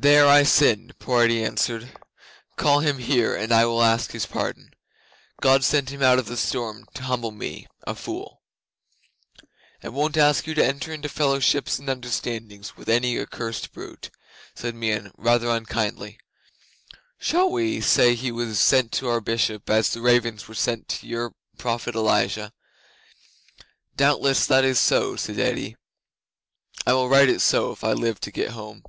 '"There I sinned," poor Eddi answered. "Call him here, and I will ask his pardon. God sent him out of the storm to humble me, a fool." '"I won't ask you to enter into fellowships and understandings with any accursed brute," said Meon, rather unkindly. "Shall we say he was sent to our Bishop as the ravens were sent to your prophet Elijah?" '"Doubtless that is so," said Eddi. "I will write it so if I live to get home."